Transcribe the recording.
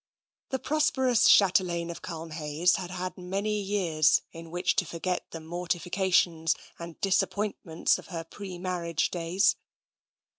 The prosperous chatelaine of Culmhayes had had many years in which to forget the mortifications and disappointments of her pre marriage days.